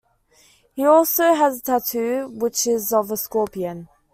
He also has a tattoo which is of a scorpion.